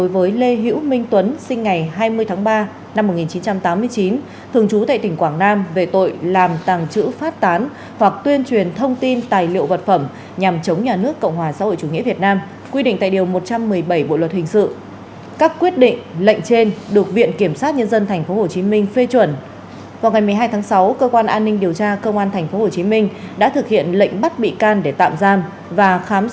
vào ngày tám tháng sáu cơ quan an ninh điều tra công an tp hcm đã ra quyết định khởi tố bị can lệnh bắt bị can để tạm giam